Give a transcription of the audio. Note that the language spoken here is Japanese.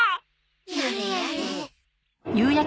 やれやれ。